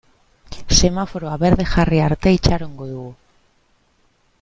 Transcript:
Semaforoa berde jarri arte itxarongo dugu.